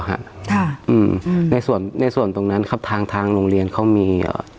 ค่ะอืมในส่วนในส่วนตรงนั้นครับทางทางโรงเรียนเขามีเอ่อ